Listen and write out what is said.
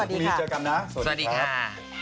สวัสดีครับสวัสดีครับ